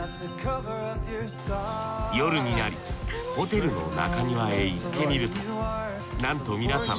夜になりホテルの中庭へ行ってみるとなんと皆さん